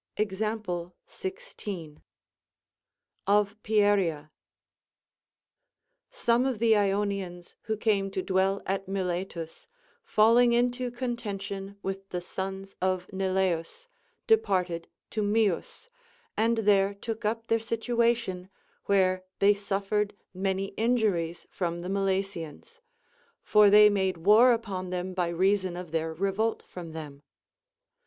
Example 16. Of Pieria. Some of the lonians who came to dwell at Miletus, falling into contention with the sons of Neleus, departed to 3ΰ4 CONCERNING THE VIRTUES OF WOMElS. Myus, and there took up their situation, where they suf fered many injuries from the Milesians ; for they made war upon them by reason of their revolt from them.